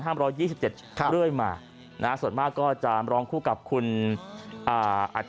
ห้ามร้อยยี่สิบเจ็ดเรื่อยมานะส่วนมากก็จะร้องคู่กับคุณอาจ